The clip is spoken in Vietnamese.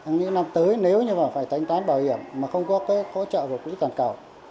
năm tới nếu như phải thanh toán bảo hiểm mà không có khối trợ của quỹ cản cầu